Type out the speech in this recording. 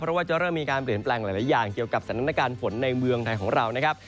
เพราะว่าจะเริ่มมีการเปลี่ยนแปลงหลายอย่างเกี่ยวกับสถานการณ์ฝนในเมืองไทยของเรานะครับ